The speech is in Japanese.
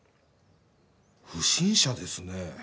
不審者ですね。